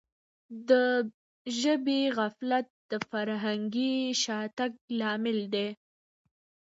د ژبي غفلت د فرهنګي شاتګ لامل دی.